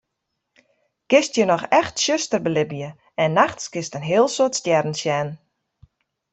Kinst hjir noch echt tsjuster belibje en nachts kinst in heel soad stjerren sjen.